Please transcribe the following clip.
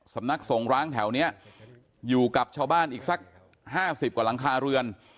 สำนักส่งร้างแถวนี้อยู่กับชาวบ้านอีกสัก๕๐กว่าหลังคาเรือน